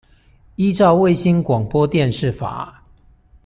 依照衛星廣播電視法